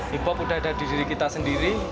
hip hop udah ada di diri kita sendiri